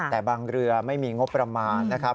แต่บางเรือไม่มีงบประมาณนะครับ